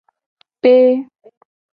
Ee.